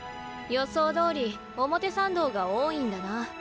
予想どおり表参道が多いんだな。